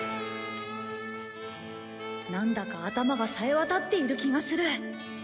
なんだか頭がさえ渡っている気がする